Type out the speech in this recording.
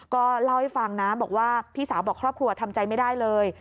ก็เล่าให้ฟังนะบอกว่าพี่สาวบอกครอบครัวทำใจไม่ได้เลย